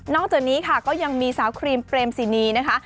จากนี้ค่ะก็ยังมีสาวครีมเปรมสินีนะคะ